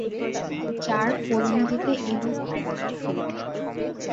যার পরিণতিতে এল প্রেম।